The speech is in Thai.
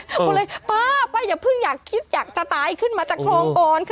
มาเลยป้ายกผึ้งอยากฮิกอยากจะตายขึ้นมาจากครองบอล